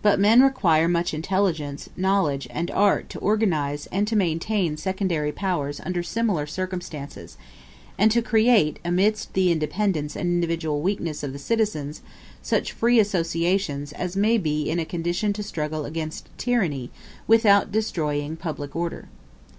But men require much intelligence, knowledge, and art to organize and to maintain secondary powers under similar circumstances, and to create amidst the independence and individual weakness of the citizens such free associations as may be in a condition to struggle against tyranny without destroying public order.